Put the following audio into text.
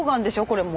これも。